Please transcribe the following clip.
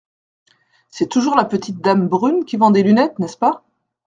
C’est toujours la petite dame brune qui vend des lunettes, n’est-ce pas ?